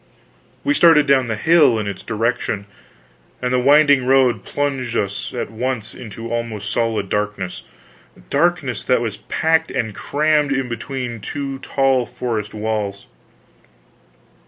We started down the hill in its direction, and the winding road plunged us at once into almost solid darkness darkness that was packed and crammed in between two tall forest walls.